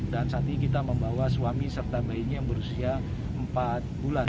dan saat ini kita membawa suami serta bayinya yang berusia empat bulan